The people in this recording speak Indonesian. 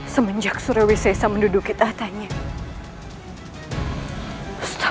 semenjak surah wisesa menduduki tahtanya